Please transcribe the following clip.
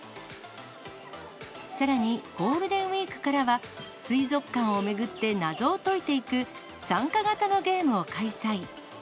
さらに、ゴールデンウィークからは水族館を巡って謎を解いていく、参加型のゲームを開催。